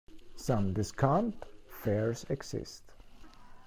Some discount fares exist.